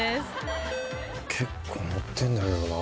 結構乗ってんだけどな。